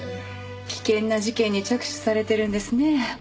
危険な事件に着手されてるんですね。